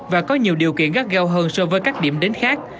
và có nhiều điều kiện gắt gao hơn so với các điểm đến khác